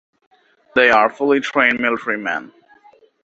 They are fully trained military men.